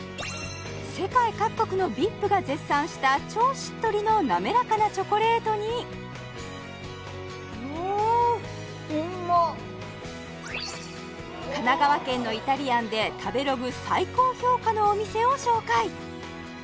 世界各国のＶＩＰが絶賛した超しっとりのなめらかなチョコレートに神奈川県のイタリアンで食べログ最高評価のお店を紹介！